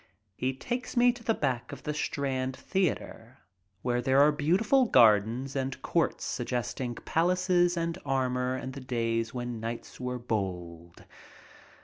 He takes me to the back of the Strand Theater, where there are beautiful gardens and courts suggesting palaces and armor and the days when knights were bold.